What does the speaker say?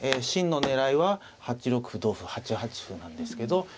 真の狙いは８六歩同歩８八歩なんですけど。